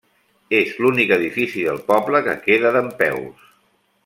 És l'únic edifici del poble que queda dempeus.